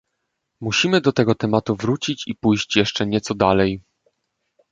Musimy do tego tematu wrócić i pójść jeszcze nieco dalej